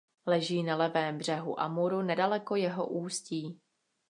Leží na levém břehu Amuru nedaleko jeho ústí.